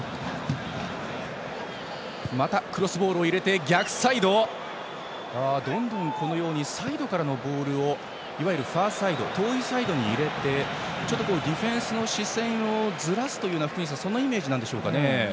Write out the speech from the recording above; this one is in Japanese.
エクアドルはどんどんサイドからのボールをいわゆるファーサイド遠いサイドに入れてディフェンスの視線をずらすというイメージなんでしょうか。